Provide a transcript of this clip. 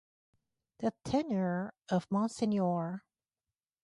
The tenure of Msgr.